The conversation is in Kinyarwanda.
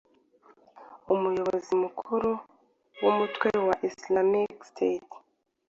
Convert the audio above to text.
umuyobozi mukuru w'umutwe wa Islamic State